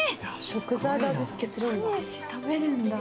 食材で味付けするんだ。